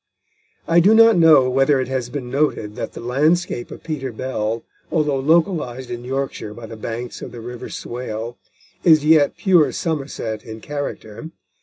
I do not know whether it has been noted that the landscape of Peter Bell, although localised in Yorkshire by the banks of the River Swale, is yet pure Somerset in character.